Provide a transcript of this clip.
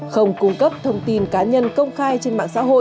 không cung cấp thông tin cá nhân công khai trên mạng